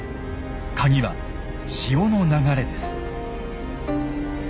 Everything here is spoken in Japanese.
カギは潮の流れです。